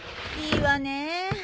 いいわね